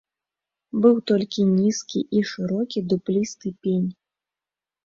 Быў толькі нізкі і шырокі дуплісты пень.